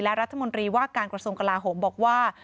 และรัฐมนตรีว่าการกระทรวงกลาโหมบอกว่า